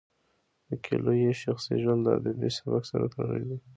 د کویلیو شخصي ژوند له ادبي سبک سره تړلی دی.